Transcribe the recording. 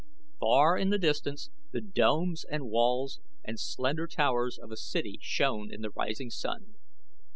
Far in the distance the domes and walls and slender towers of a city shone in the rising sun.